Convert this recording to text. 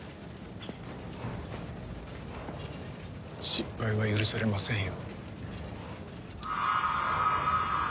失敗は許されませんよ。